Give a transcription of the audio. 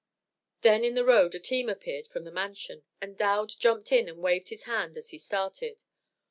Then in the road a team appeared from the Mansion, and Dowd jumped in and waved his hand as he started.